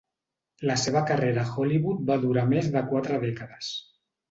La seva carrera a Hollywood va durar més de quatre dècades.